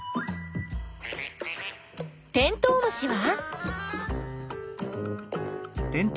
テントウムシは？